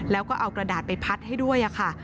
แล้วก็เอากระดาษไปพัดให้ด้วยค่ะ